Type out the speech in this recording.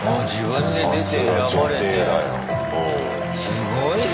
すごいね。